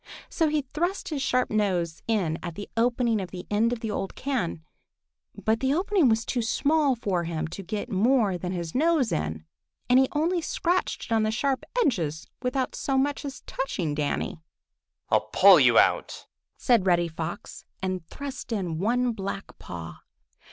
He thrust his sharp nose in at the opening in the end of the old can, but the opening was too small for him to get more than his nose in, and he only scratched it on the sharp edges without so much as touching Danny. "I'll pull you out," said Reddy and thrust in one black paw.